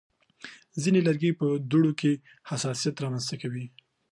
ځینې لرګي په دوړو کې حساسیت رامنځته کوي.